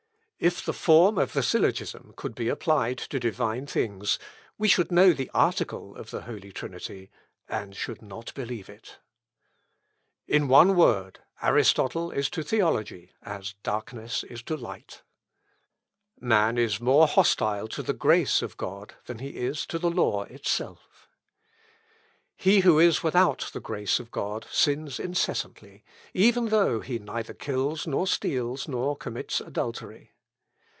"If the form of the syllogism could be applied to divine things, we should know the article of the Holy Trinity, and should not believe it. "In one word, Aristotle is to theology as darkness to light. "Man is more hostile to the grace of God than he is to the law itself. "He who is without the grace of God sins incessantly, even though he neither kills, nor steals, nor commits adultery.